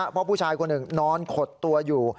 เพราะผู้ชายคนหนึ่งนอนขดตัวอยู่